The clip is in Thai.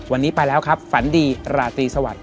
วันนี้ไปแล้วครับฝันดีราตรีสวัสดิ